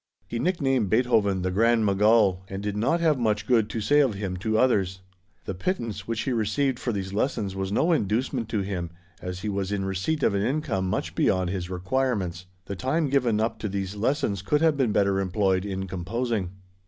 He nicknamed Beethoven the Grand Mogul, and did not have much good to say of him to others. The pittance which he received for these lessons was no inducement to him, as he was in receipt of an income much beyond his requirements. The time given up to these lessons could have been better employed in composing.